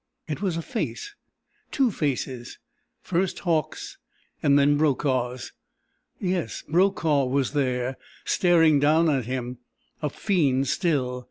It was a face, two faces first Hauck's and then Brokaw's! Yes, Brokaw was there! Staring down at him. A fiend still.